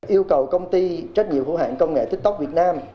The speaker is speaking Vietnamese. yêu cầu công ty trách nhiệm hữu hãng công nghệ tiktok việt nam